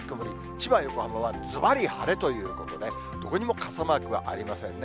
千葉、横浜はずばり晴れということで、どこにも傘マークはありませんね。